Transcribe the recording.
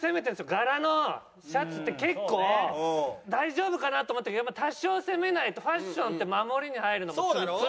柄のシャツって結構大丈夫かな？って思ったけどやっぱ多少攻めないとファッションって守りに入るのも罪なんですよ。